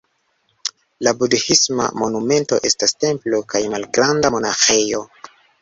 La Budhisma monumento estas templo kaj malgranda monaĥejo.